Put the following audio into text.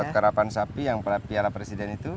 ya buat karapan sapi yang piala presiden itu